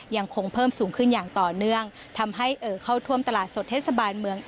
ยังคงเพิ่มสูงขึ้นอย่างต่อเนื่องทำให้เอ่อเข้าท่วมตลาดสดเทศบาลเมือง